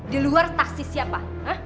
di luar taksi siapa